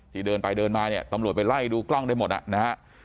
เดินไปเดินมาเนี่ยตำรวจไปไล่ดูกล้องได้หมดอ่ะนะฮะ